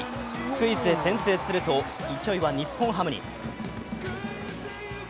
スクイズで先制すると勢いは日本ハムに。